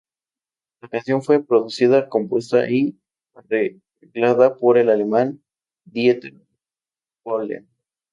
La canción fue producida, compuesta y arreglada por el alemán Dieter Bohlen.